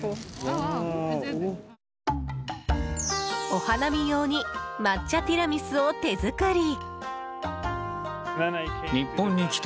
お花見用に抹茶ティラミスを手作り。